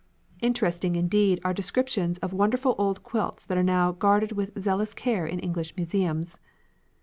Interesting indeed are descriptions of wonderful old quilts that are now guarded with zealous care in English museums.